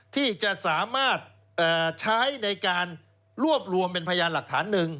ที่จะสามารถใช้ในการรวบรวมเป็นพยานหลักฐานหนึ่ง